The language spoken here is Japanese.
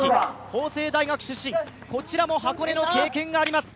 法政大学出身、こちらも箱根の経験があります。